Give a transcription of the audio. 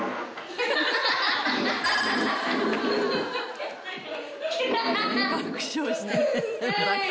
ハハハハッ！